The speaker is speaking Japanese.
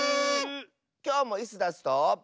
きょうもイスダスと。